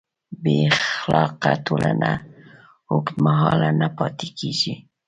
بېاخلاقه ټولنه اوږدمهاله نه پاتې کېږي.